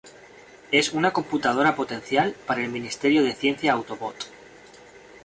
Es una computadora potencial para el Ministerio de Ciencia Autobot.